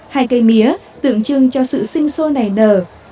hai cây mía tượng trưng cho sự sinh sôi nảy nở